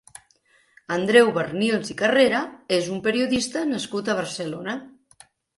Andreu Barnils i Carrera és un periodista nascut a Barcelona.